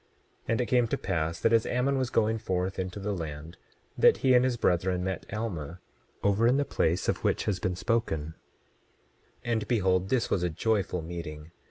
27:16 And it came to pass that as Ammon was going forth into the land, that he and his brethren met Alma, over in the place of which has been spoken; and behold, this was a joyful meeting.